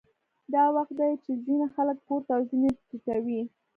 دا وخت دی چې ځینې خلک پورته او ځینې ټیټوي